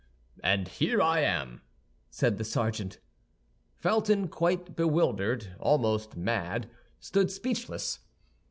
"And here I am," said the sergeant. Felton, quite bewildered, almost mad, stood speechless.